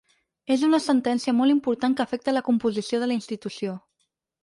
És una sentència molt important que afecta la composició de la institució.